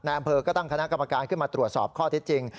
อำเภอก็ตั้งคณะกรรมการขึ้นมาตรวจสอบข้อเท็จจริง